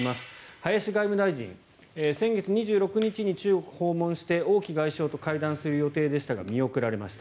林外務大臣先月２６日日米同盟を訪問して王毅外相を会談する予定でしたが見送られました。